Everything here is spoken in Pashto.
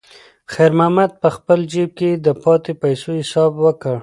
خیر محمد په خپل جېب کې د پاتې پیسو حساب وکړ.